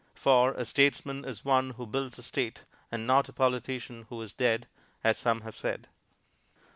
For a statesman is one who builds a State and not a politician who is dead, as some have said.